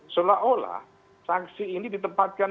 seolah olah saksi ini ditempatkan